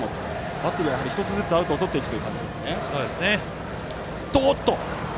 バッテリーは１つずつアウトをとっていくという感じ。